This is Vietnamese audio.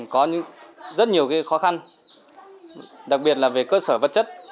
có rất nhiều khó khăn đặc biệt là về cơ sở vật chất